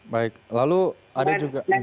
baik lalu ada juga